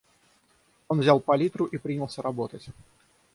Он взял палитру и принялся работать.